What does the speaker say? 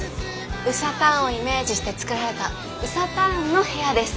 ウサターンをイメージして作られたウサターンの部屋です。